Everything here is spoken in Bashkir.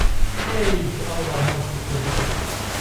Әй, алланың хөкөмө.